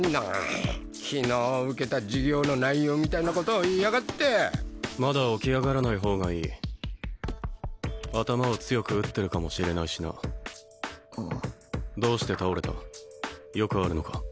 昨日受けた授業の内容みたいなことを言いやがってまだ起き上がらない方がいい頭を強く打ってるかもしれないしなどうして倒れたよくあるのか？